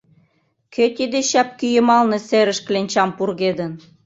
Кӧ тиде чапкӱ йымалне серыш кленчам пургедын?